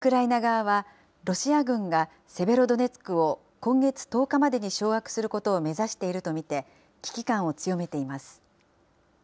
ウクライナ側は、ロシア軍がセベロドネツクを今月１０日までに掌握することを目指していると見て、危機感を強めています。